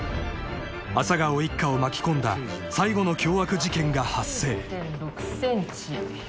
［朝顔一家を巻き込んだ最後の凶悪事件が発生］